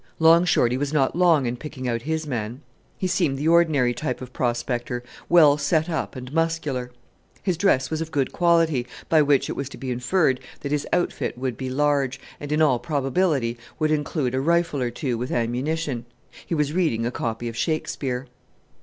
Long Shorty was not long in picking out his man. He seemed the ordinary type of prospector, well set up and muscular; his dress was of good quality, by which it was to be inferred that his outfit would be large, and in all probability would include a rifle or two with ammunition. He was reading a copy of Shakespeare.